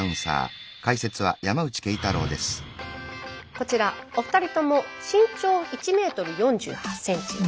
こちらお二人とも身長１ｍ４８ｃｍ。